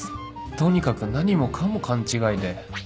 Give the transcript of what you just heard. とにかく何もかも勘違いで